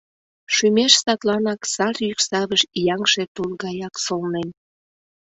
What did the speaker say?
Шӱмеш садланак сар йӱксавыш ияҥше тул гаяк солнен.